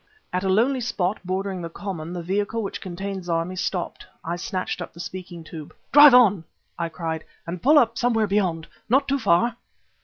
At a lonely spot bordering the common the vehicle which contained Zarmi stopped. I snatched up the speaking tube. "Drive on," I cried, "and pull up somewhere beyond! Not too far!"